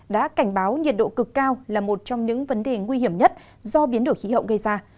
đã cảnh báo nhiệt độ cực cao là một trong những vấn đề nguy hiểm nhất do biến đổi khí hậu gây ra